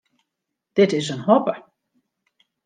Dit is in hoppe.